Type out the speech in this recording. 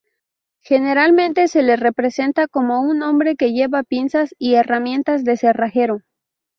Generalmente se le representa como un hombre que lleva pinzas y herramientas de cerrajero